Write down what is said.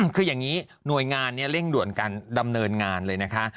คืออย่างนี้หน่วยงานเร่งด่วนการดำเนินงานเลยนะคะ